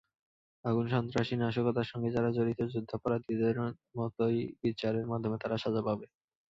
আগুন সন্ত্রাসী-নাশকতার সঙ্গে যারা জড়িত, যুদ্ধাপরাধীদের মতোই বিচারের মাধ্যমে তারা সাজা পাবে।